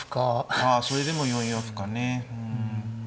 ああそれでも４四歩かね。